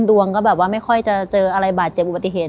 ดวงก็แบบว่าไม่ค่อยจะเจออะไรบาดเจ็บอุบัติเหตุ